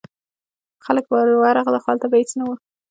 خلک به ورغلل خو هلته به هیڅ نه و.